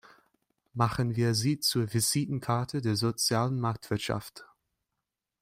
Machen wir sie zur Visitenkarte der sozialen Marktwirtschaft!